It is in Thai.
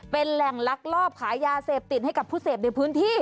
เป็นแหล่งลักลอบขายยาเสพติดให้กับผู้เสพในพื้นที่